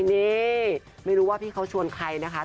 นี่ไม่รู้ว่าพี่เขาชวนใครนะคะ